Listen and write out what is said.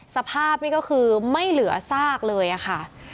สภาพนี่ก็คือไม่เหลือซากเลยค่ะ